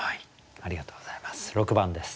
ありがとうございます。